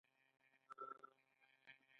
ایا زه باید په تیاره کې ویده شم؟